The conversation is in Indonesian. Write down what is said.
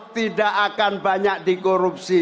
tidak akan banyak dikorupsi